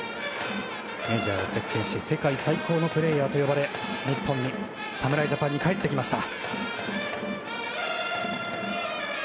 メジャーを席巻して世界最高のプレーヤーと呼ばれ日本に、侍ジャパンに帰ってきました。